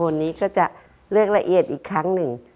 เรียกละเอียดอีกครั้งหนึ่ง